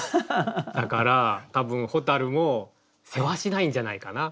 だから多分蛍もせわしないんじゃないかな？